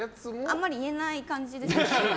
あまり言えない感じですね。